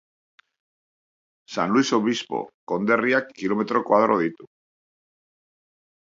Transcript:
San Luis Obispo konderriak kilometro koadro ditu.